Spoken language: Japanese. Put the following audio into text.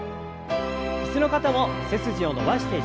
椅子の方も背筋を伸ばして上体を前に。